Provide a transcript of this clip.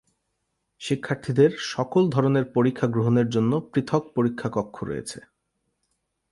শিক্ষার্থীদের সকল ধরনের পরীক্ষা গ্রহণের জন্য পৃথক পরীক্ষা কক্ষ রয়েছে।